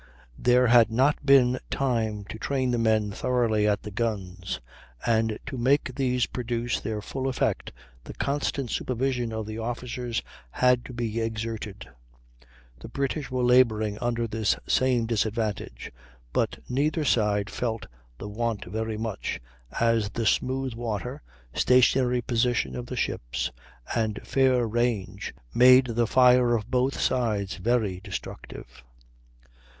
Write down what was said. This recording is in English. There had not been time to train the men thoroughly at the guns; and to make these produce their full effect the constant supervision of the officers had to be exerted. The British were laboring under this same disadvantage, but neither side felt the want very much, as the smooth water, stationary position of the ships, and fair range, made the fire of both sides very destructive.